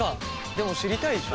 でも知りたいでしょ？